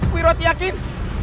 guru tidak yakin